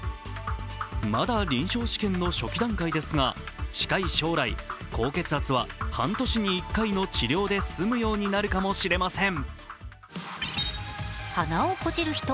まだ臨床試験の初期段階ですが近い将来、高血圧は半年に１回の治療で済むようになるかもしれません。